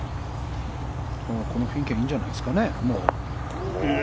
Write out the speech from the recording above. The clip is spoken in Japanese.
この雰囲気はいいんじゃないですかね。